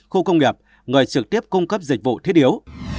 khu công nghiệp người trực tiếp cung cấp dịch vụ thiết yếu